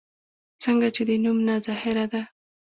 څنګه چې د نوم نه ظاهره ده